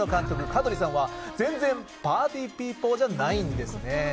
・カドリさんは全然パーティーピーポーじゃないんです。